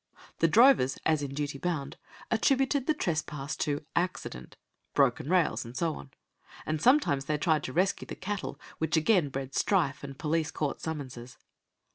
The drovers, as in duty bound, attributed the trespass to accident broken rails, and so on and sometimes they tried to rescue the cattle, which again bred strife and police court summonses.